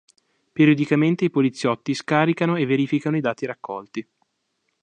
Periodicamente i poliziotti scaricano e verificano i dati raccolti.